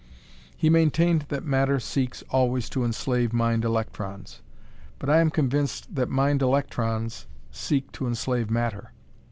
"He maintained that matter seeks always to enslave mind electrons, but I am convinced that mind electrons seek to enslave matter.